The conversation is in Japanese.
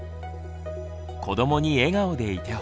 子どもに笑顔でいてほしい。